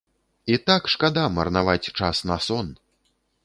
І так шкада марнаваць час на сон.